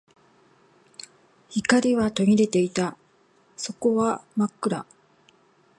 光は途切れていた。底は真っ暗。